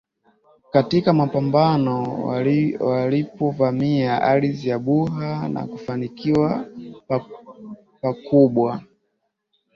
katika mapambano walipovamia ardhi ya buha na kufanikiwa pakubwa